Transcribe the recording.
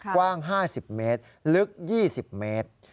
กว้าง๕๐เมตรลึก๒๐เมตร